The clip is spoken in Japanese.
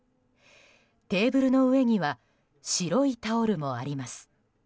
テーブルの上には白いタオルもあります。